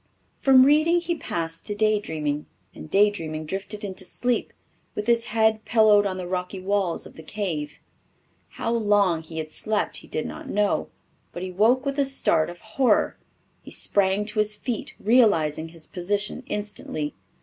From reading he passed to day dreaming, and day dreaming drifted into sleep, with his head pillowed on the rocky walls of the cave. How long he had slept he did not know, but he woke with a start of horror. He sprang to his feet, realizing his position instantly.